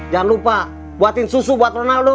jangan lupa buatin susu buat ronaldo